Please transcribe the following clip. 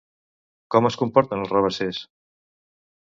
Com es comporten els rabassers?